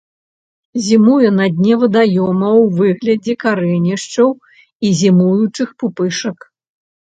Зімуе на дне вадаёма ў выглядзе карэнішчаў і зімуючых пупышак.